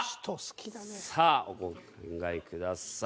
さあお考えください。